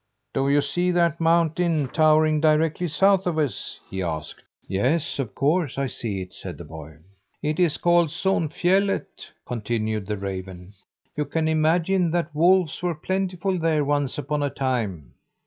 "Do you see that mountain towering directly south of us?" he asked. "Yes, of course, I see it," said the boy. "It is called Sonfjället," continued the raven; "you can imagine that wolves were plentiful there once upon a time."